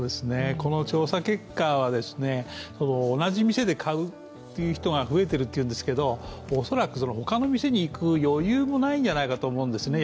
この調査結果は、同じ店で買うという人が増えてるっていうんですけど恐らく他の店に行く余裕もないんじゃないかと思うんですね。